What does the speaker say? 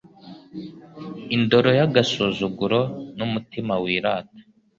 Indoro y’agasuzuguro n’umutima wirata